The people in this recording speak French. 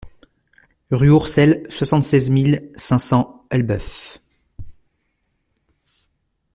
Rue Oursel, soixante-seize mille cinq cents Elbeuf